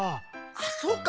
あっそうか。